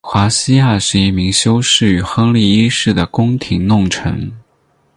华西亚是一名修士和亨利一世的宫廷弄臣。